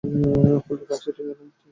অক্ষর লেখা আছে, ঠিক না?